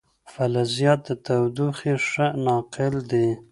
فلزات د تودوخې ښه ناقل دي.